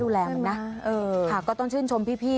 ดูแลมันนะเออค่ะก็ต้องชื่นชมพี่